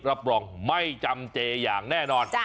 รับรองไม่จำเจอย่างแน่นอน